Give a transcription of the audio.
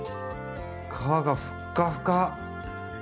皮がふっかふか。